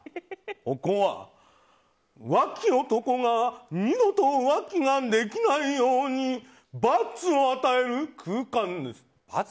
ここは、浮気男が二度と浮気ができないように罰を与える空間。